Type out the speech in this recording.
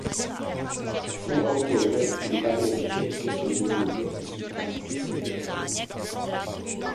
Fu autore di varie ricerche sul Vesuvio e sui Campi Flegrei.